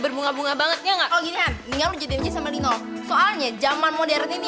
bermunga bunga banget ya nggak oh gini han tinggal lu jadi wajib sama lino soalnya zaman modern ini